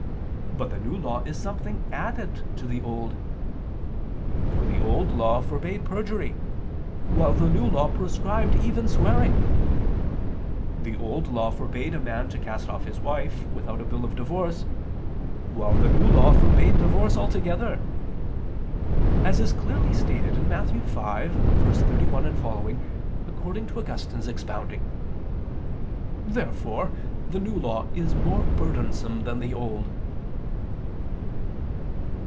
But the New Law is something added to the Old. For the Old Law forbade perjury, while the New Law proscribed even swearing: the Old Law forbade a man to cast off his wife without a bill of divorce, while the New Law forbade divorce altogether; as is clearly stated in Matt. 5:31, seqq., according to Augustine's expounding. Therefore the New Law is more burdensome than the Old.